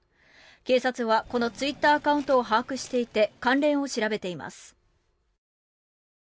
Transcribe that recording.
警察はこのツイッターアカウントを把握していて関連を調べています。